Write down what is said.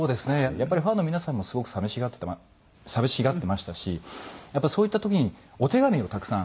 やっぱりファンの皆さんもすごく寂しがってましたしやっぱそういった時にお手紙をたくさん。